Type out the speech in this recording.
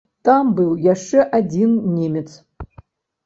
Там быў яшчэ адзін немец.